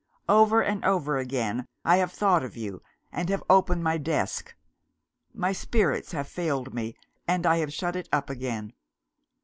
Over and over again, I have thought of you and have opened my desk. My spirits have failed me, and I have shut it up again.